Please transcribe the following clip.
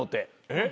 えっ？